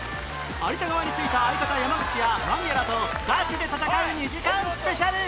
有田側についた相方山内や間宮らとガチで戦う２時間スペシャル！